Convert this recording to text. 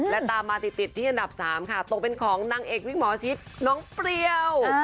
และตามมาติดที่อันดับ๓ค่ะตกเป็นของนางเอกวิกหมอชิดน้องเปรี้ยว